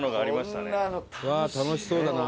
楽しそうだな。